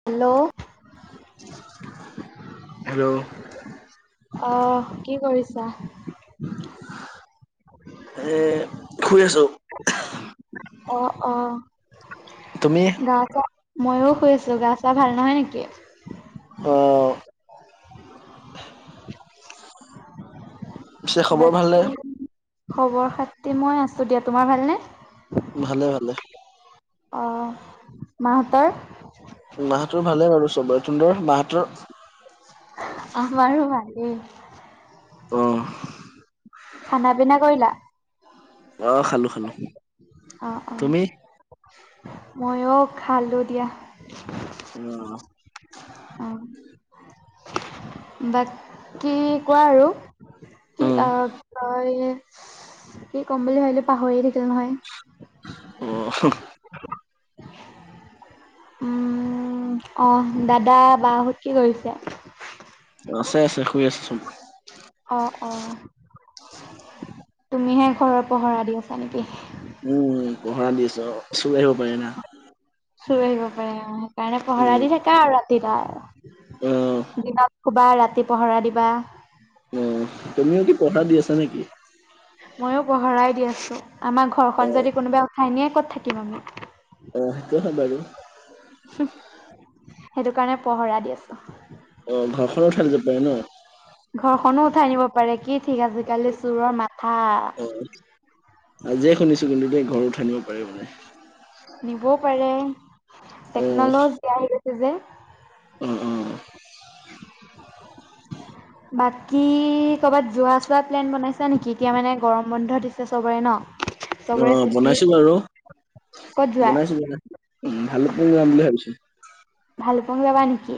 Hello [inaudible] আহ! কি কৰিছা? এ শুই আছো। অ'। অ'। তুমি? গা- চা। ময়ো শুই আছো। গা -চা ভাল নহয় নেকি? অ' পিছে খবৰ ভালনে বাকী খবৰ -খাতি, মই আছো দিয়া। তোমাৰ ভালনে? ভালে। ভালে। অ'হ। মাহঁতৰ? মাহঁতৰ ভালে বাৰু চবৰে। তহঁতৰ মাহঁতৰ? আমাৰো ভালেই। অহ। খানা পিনা কৰিলা? অহ। খালো। খালো। অহ। অহ। তুমি ময়ো খালো দিয়া। অহ। অহ। বাকী কোৱা আৰু কি? অ অ, অ উম কি ক'ম বুলি ভাবিলো, পাহৰিয়ে থাকিলো নহয়। অহ। উম। অহ। দাদা- বাহঁত কি কৰিছে? আছে। আছে। শুই আছে চব। অহ। অহ। তুমিহে ঘৰৰ পহৰা দি আছা নেকি? উম। উম। পহৰা দি আছো। অ' চুৰ আহিব পাৰে না! চুৰ আহিব পাৰে। অ' সেইকাৰণে পহৰা উম দি থাকা আৰু ৰাতিদাল। অ দিনত শুবা। ৰাতি পহৰা দিবা। উম। তুমিও কি পহৰা দি আছা নে কি? ময়ো পহৰাই দি আছো। আমাৰ অ ঘৰখন যদি কোনোবাই উঠাই নিয়ে, ক'ত থাকিম আমি! এহ। সেইটো হয় বাৰু। হুহ। সেইটো কাৰণে পহৰা দি আছোঁ। অ'হ। ঘৰখনো উঠাই লৈ যাব পাৰে ন? ঘৰখনো উঠাই নিব পাৰে। কি ঠিক, আজিকালি চোৰৰ মাথা অহ। আজিয়ে শুনিছো কিন্তু দেই। ঘৰ উঠাই নিব পাৰে বুলি। নিবও পাৰে। অ টেকন'লজিয়া আহি গৈছে যে। উম। উম। [inaudible] বাকী ক'বাত যোৱা -চোৱা প্লেন বনাইছা নেকি? এতিয়া মানে গৰম বন্ধ দিছে, চবৰে ন। চবৰে অ'হ। ছুটি বনাইছো বাৰু। ক'ত যোৱা বনাইছো-বনাইছো। ভালুকপুং যাম বুলি ভাবিছো। ভালুকপুং যাবা নেকি?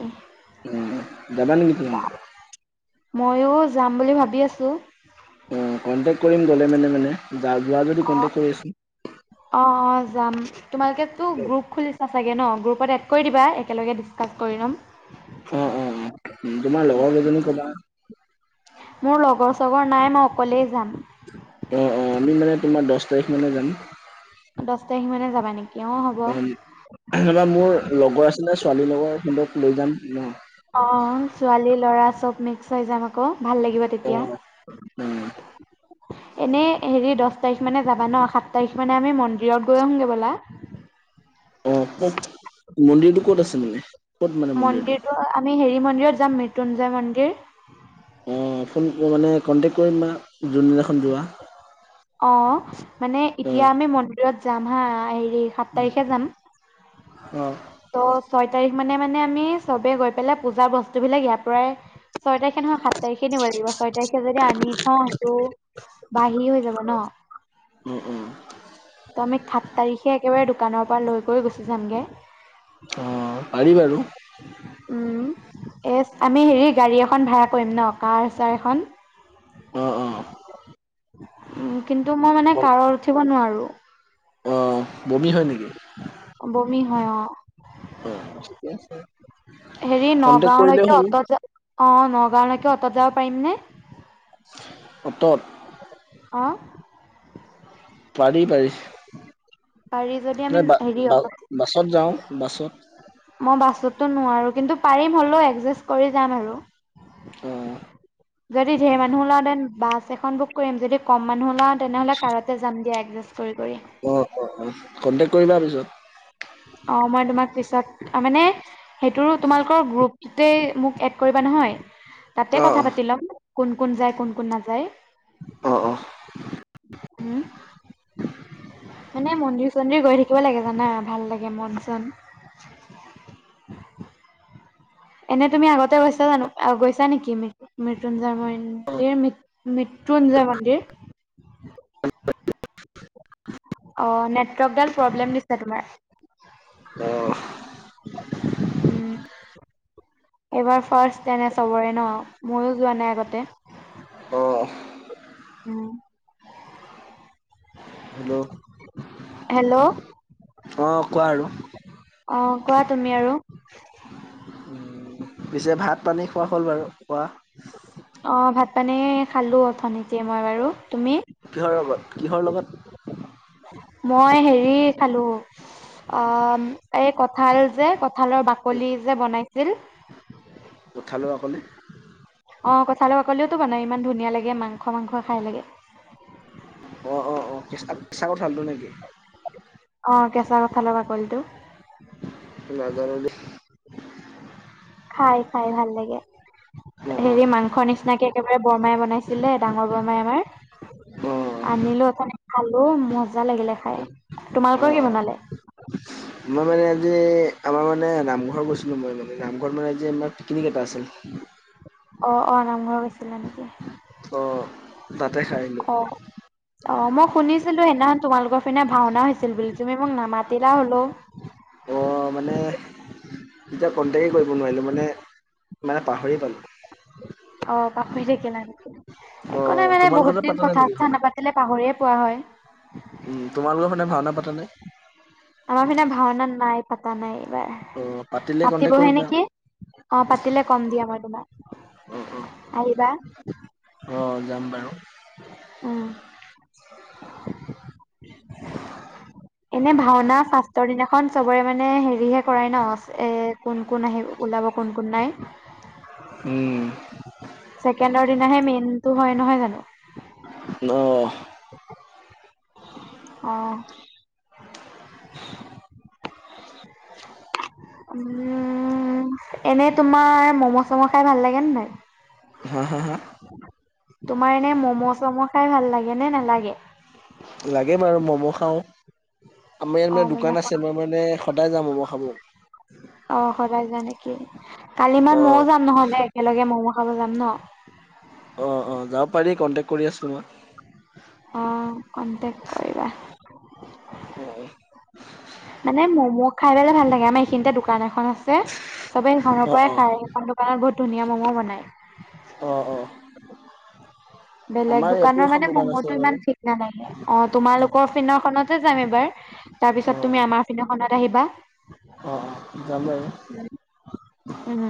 উম। যাবা নেকি তুমিও? ময়ো যাম বুলি ভাবি আছোঁ। অ'হ। কণ্টেক্ট কৰিম গ'লে মানে-মানে। যা-যোৱা যদি কণ্টেক্ট কৰি আছো। অ'হ। অ'। যাম। তোমালোকেতো গ্ৰুপ খুলিছা চাগে ন' গ্ৰুপত এড কৰি দিবা একেলগে ডিছকাছ কৰি ল'ম। অ', অ', অ', তোমাৰ লগৰ কেইজনী কবা মোৰ লগৰ চগৰ নাই মই অকলেই যাম। অ', অ', আমি মানে তোমাৰ দহ তাৰিখ মানে যাম। দহ তাৰিখ মানে যাবা নেকি? অ', নতুবা মোৰ লগৰ আছিলে ছোৱালীৰ লগৰ সিহঁতক লৈ যাম ন'। অ', ছোৱালী ল'ৰা চব মিক্স হৈ যাম আকৌ ভাল লাগিব অ তেতিয়া। অ এনেই হেৰি দহ তাৰিখ মানে যাবা ন', সাত তাৰিখ মানে আমি মন্দিৰত গৈ আহোগে ব'লা। অ', ক'ত মন্দিৰটো ক'ত আছে মানে? ক'ত মানে মন্দিৰটো আমি হেৰি মন্দিৰত যাম মৃত্যুঞ্জয় মন্দিৰ। অ', ফোন মানে কণ্টেক্ট কৰিম বা যোনদিনাখন যোৱা। অ', মানে অ এতিয়া আমি মন্দিৰত যাম হা, হেৰি সাত তাৰিখে যাম। অ', ত' ছয় তাৰিখ মানে, মানে আমি চবে গৈ পেলাই পূজাৰ বস্তু বিলাক ইয়াৰ পৰাই ছয় তাৰিখে নহয় সাত তাৰিখে নিব লাগিব ছয় তাৰিখে যদি আনি থওঁ সেইটো বাাহি হৈ যাব ন'। উম, উম,। ত' আমি সাত তাৰিখে একেবাৰে দোকানৰ পৰা লৈ গুচি যামগে। অ', পাৰি বাৰু। উম, এ আমি হেৰি গাড়ী এখন ভাড়া কৰিম ন' কাৰ চাৰ এখন? অ অ উম, কিন্তু মই মানে কাৰত উঠিব নোৱাৰো। অ', বমি হয় নেকি? বমি হয় অ'। অ', ঠিকে আছে। হেৰি কন্টেক্ট কৰিলে নগাঁওলৈকে হ'ল অটত যা অ', নগাঁওলৈকে অটত যাব পাৰিম নে? অতত অ'? পাৰি, পাৰি। পাৰি যদি আমি নাই বা, হেৰি বা, অটত বাছত যাওঁ বাছত। মই বাছতো নোৱাৰো, কিন্তু পাৰিম হ'লেও এডজাষ্ট কৰি যাম আৰু। অ'। যদি ধেৰ মানুহ উলাও দেন বাছ এখন বুক কৰিম, যদি কম মানুহ উলাওঁ তেনেহ'লে কাৰতে যাম দিয়া এডজাষ্ট কৰি কৰি। অ', অ', অ', কণ্টেক্ট কৰিবা পিছত। অ', মই তোমাক পিছত মানে সেইটোৰো তোমালোকৰ গ্ৰুপতোতেই মোক এড কৰিবা নহয় তাতে অ', কথা পাতি ল'ম, কোন কোন যায় কোন কোন নাযায়। অ', অ'। উম মানে মন্দিৰ-চন্দিৰ গৈ থাকিব লাগে জানা, ভাল লাগে মন-চন। এনে তুমি আগতে গৈছা জানো, আহ, গৈছা নেকি মৃত্যঞ্জয় ম উম, এই মৃ মৃত্যৃঞ্জয় মন্দিৰ? [inaudible] অ', নেটৱৰ্কডাল প্ৰব্লেম দিছে তোমাৰ। অ', [inaudible] উম। এইবাৰ ফাৰ্ষ্ট এনে চবৰে ন', ময়ো যোৱা নাই আগতে। অ'। হেল্ল' হেল্ল' অ', কোৱা আৰু। অ', কোৱা তুমি আৰু। উম, পিছে ভাত পানী খোৱা হ'ল বাৰু, খোৱা। অ', ভাত পানী খালো, অথনিতে মই বাৰু, অ', তুমি? কিহৰ লগত কিহৰ লগত মই হেৰি খালো আহ, এই কঠাল যে কঠালৰ বাকলি যে বনাইছিল। কঠালৰ বাকলি? অ', কঠালৰ বাকলিওটো বনায় ইমান ধুনীয়া লাগে মাংস, মাংস খাই লাগে। অ', অ' অ', কেচা কেচা কঠালটো নেকি? অ', কেঁচা কঠালৰ বাকলিটো। নাজানো দেই। খাই খাই, ভাল লাগে, অ', অ', হেৰি মাংস নিচিনাকে একেবাৰে বৰমাই বনাইছিল, ডাঙৰ বৰমাই আমাৰ। অ', আনিলো, খালো, মজা লাগিলে খাই, তোমালোকৰ অ', কি অ', অ'। বনালে? মই মানে আজি আমাৰ মানে নামঘৰ গৈছিলোঁ মই, মানে নামঘৰত মানে আজি আমাৰ পিকনিক এটা আছিল। অ', অ' নামঘৰ গৈছিলা নেকি? অ', তাতে খাই আহিলো। [inaudible] অ', মই শুনিছিলো সেইদিনাখন তোমালোকৰ পিনা ভাওনা হৈছিল বুলি, তুমি মোক নামাতিলা হলো। অ', মানে তেতিয়া কণ্টেকটেই কৰিব নোৱাৰিলোঁ মানে, মানে পাহৰি পালোঁ। অ', পাহৰি থাকিলা নেকি, একো নাই ত' মানে তোমালোকৰ তাত বহুত দিন পাতা নাই কথা নেকি চথা ভাওনা নাপাতিলে, পাহৰিয়ে পোৱা হয়। তোমালোকৰ ফালে ভাওনা পাতে নে? আমাৰ পিনে ভাওনা, নাই পতা নাই, এইবাৰ। অ' পাতিলে কণ্টেক্ট পাতিবহে কৰিবা নেকি, অ', পাতিলে কম দিয়া মই অ' তোমাক। আহিবা। অ', যাম বাৰু। উম। [inaudible] এনে ভাওনা ফাৰ্ষ্টৰ দিনাখন চবৰে মানে হেৰিহে কৰাই ন, এ কোন কোন আহিব, ওলাব কোন কোন নাই। উম ছেকেণ্ডৰ দিনাহে মেইনটো হয়, নহয় জানো? অ'। অ'। উম। উম, এনে তোমাৰ মম' চম' খাই ভাল লাগে ন নাই? হা হা হা? তোমাৰ এনে ম'ম' চম' খাই ভাল লাগে নে নালাগে? লাগে বাৰু ম'ম' খাওঁ, আমাৰ ইয়াত মানে অ', ম'ম' দোকান খোৱা আছে মই মানে সদায় যাওঁ ম'ম' খাব। অ', সদায় যোৱা নেকি, কালি পৰা অ' মইও যাম নহ'লে, একেলগে ম'ম' খাব যাম ন। অ', অ', যাব পাৰি কণ্টেক্ট কৰি আছোঁ মই। অ', কণ্টেক্ট কৰিবা। অ' অ' মানে ম'ম খাই পেলাই ভাল লাগে, আমাৰ এইখিনিতে দোকান দোকান এখন আছে, চবে সেইখনৰ অ পৰাই অ খাওঁ সেইখন দোকানত বহুত ধুনীয়া ম'মো বনায়। অ অঁ। বেলেগ দোকানৰ মানে ম'মটো বাৰু ইমান ঠিক নালাগে অঁহ- তোমালোকৰ পিনৰখনতে যাম এবাৰ, অ অ তাৰপিছত তুমি আমাৰ পিনৰখনত আহিবা। অ', -অ', যাম বাৰু। উম।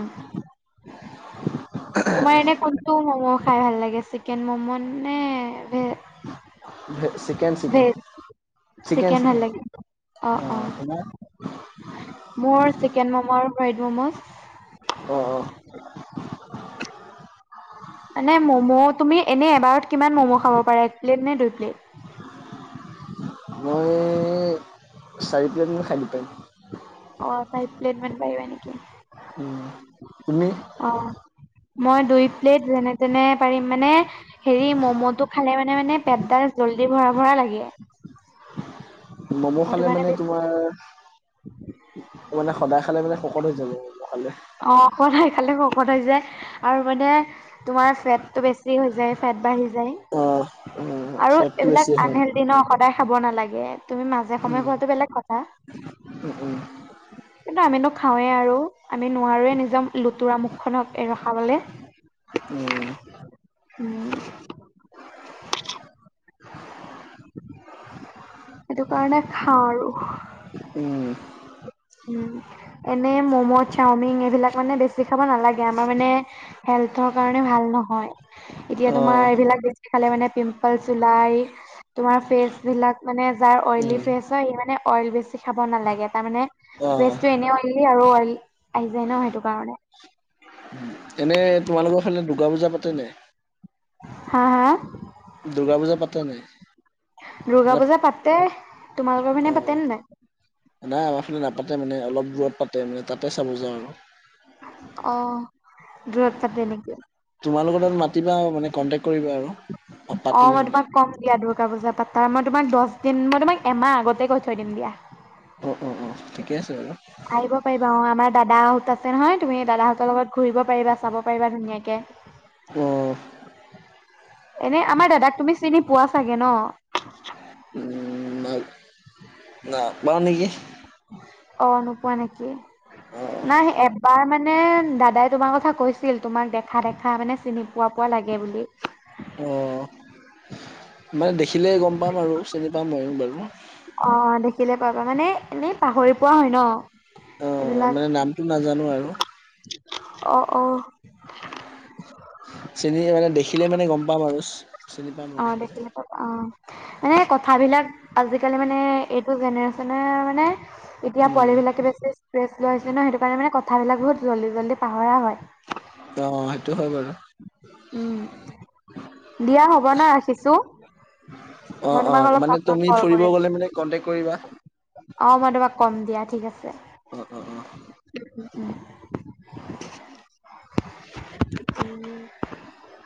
তোমাৰ এনে কোনটো ম'ম' খাই ভাল লাগে চিকেন ম'ম' নে veg? Veg chicken chicken chicken, ভাল চিকেন লাগে অ', - তোমাৰ? মোৰ চিকেন মম' আৰু ফ্ৰাইড ম'ম'। অঁহ। মানে ম'ম' তুমি এনে এবাৰত কিমান ম'ম' খাব পাৰা এক প্লেট নে দুই প্লেট? মই, চাৰি প্লেট মান খাই দি পাৰিম। অঁহ', চাৰি প্লেট মান পাৰিবা নেকি? উম, তুমি? অঁহ', মই দুই প্লেট যেনে তেনে পাৰিম মানে হেৰি ম'ম' টো খালে মানে মানে পেটডাল জলদি ভৰা ভৰা লাগে। ম'ম সেইটো খালে কাৰণে মানে তো বেছি মাৰ, মানে সদায় খালে মানে শকত হৈ যাব ম'ম খালে। অ', সদায় খালে শকত হৈ যায়, আৰু মানে তোমাৰ ফেটটো বেছি হৈ যায় ফেট বাঢ়ি যায়, অ উম আৰু ফেটটো বেছি এইবিলাক আহে আনহে ল্থি ন সদায় খাব নালাগে তুমি মাজে সময়ে উম খোৱাটো বেলেগ কথা। উম উম কিন্তু আমিতো খাওঁৱে আৰু আমি নোৱাৰোৱে নিজৰ লুতৰা মুুখ খনক এ ৰখাবলে। উম। উম। সেইটো কাৰণে খাওঁ আৰু। উম উম। এনে ম'ম' চাওমিন এইবিলাক মানে বেছি খাব নালাগে আমাৰ মানে হেল্থৰ কাৰণে ভাল নহয়, এতিয়া অ তোমাৰ এইবিলাক বেছি খালে মানে পিম্পলচ্ ওলাই, তোমাৰ ফেচ বিলাক মানে যাৰ অইলি উম ফেচ হয় ই মানে অইল বেছি খাব নালাগে তাৰ মানে, অ ভেজটো এনে অইলি আৰু অইল, আহি যায় ন সেইটো কাৰণে। উম, এনে তোমালোকৰ ফালে দুৰ্গা পূজা পাতে নাই? হা হা, দুৰ্গা পূজা পাতে নাই দুৰ্গা মানে পূজা পাতে। তোমালোকৰ অ পিনে পাতে নে নাই? নাই আমাৰ ফালে নাপাতে মানে অলপ দূৰত পাতে মানে তাতে চাব যাওঁ আৰু। অঁহ', দূৰত পাতে নেকি? তোমালোকৰ তাত মাতিবা আও মানে কণ্টেক্ট কৰিবা আৰু? অ', পাতিলে মই মানে তোমাক কম দিয়া দুৰ্গা পূজা পাতাৰ মই তোমাক দহ দিন মই তোমাক এমাহ আগতে কৈ থৈ দিম দিয়া। অ', - অ', - অ', ঠিকে আছে বাৰু। আহিব পাৰিবা অঁহ', আমাৰ দাদাহঁত আছে নহয় তুমি দাদাহঁতৰ লগত ঘূৰিব পাৰিবা চাব পাৰিবা ধুনীয়াকে। অঁহ',। এনে আমাৰ দাদাক তুমি চিনি পোৱা চাগে ন? উম ন, নাপাও নেকি। অ', নোপোৱা নেকি, অ নাই এবাৰ মানে মানে দাদাই তোমাৰ কথা কৈছিল তোমাক দেখা দেখা মানে চিনি পোৱা পোৱা লাগে বুলি। অ, মানে দেখিলে গম পাম আৰু চিনি পাম মইয়ো বাৰু। অঁ দেখিলে পাবা মানে এনেই পাহৰি পোৱা হয় ন। অ এইবিলাক মানে নামটো নাজানো আৰু অ অ। চিনি মানে দেখিলে মানে গম পাম আৰু। চিনি পাম আৰু অ দেখিলে পাবা অঁ। মানে কথাবিলাক আজিকালি মানে এইটো জেনেৰেচনে মানে এতিয়া উম পোৱালি বিলাকে বেছি ষ্ট্ৰেছ লৈ আছে ন সেইটো কাৰণে মানে কথাবিলাক বহুত জল্দি জল্দি পাহৰা হয়। অঁ সেইটো হয় বাৰু। উম, দিয়া হ'ব ন ৰাখিছো। মই অঁ তোমাক অঁ অলপ মানে পাছত তুমি কল ফুৰিব গলে মানে কন্টেক কৰিবা। অঁ মই তোমাক কম দিয়া ঠিক আছে। অ অ অ [inaudible] [inaudible]